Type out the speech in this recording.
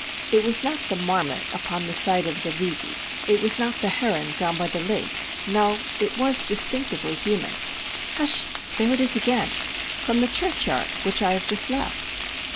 It was not the marmot upon the side of the Righi—it was not the heron down by the lake; no, it was distinctively human. Hush! there it is again—from the churchyard which I have just left!